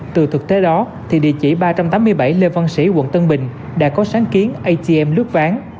từ thực tế đó thì địa chỉ ba trăm tám mươi bảy lê văn sĩ quận tân bình đã có sáng kiến atm lướt ván